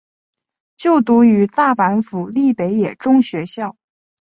就读于大阪府立北野中学校。